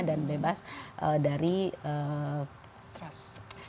dan bebas dari stress